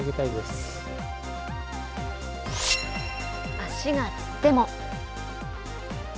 足がつっても。